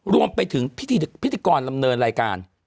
รวมไปถึงพิธีกรลำเนินรายการ